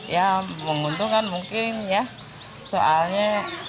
ya menguntungkan mungkin ya soalnya